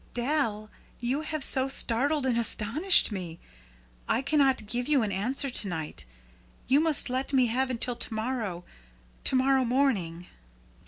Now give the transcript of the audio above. "Dal you have so startled and astonished me. I cannot give you an answer to night. You must let me have until to morrow to morrow morning."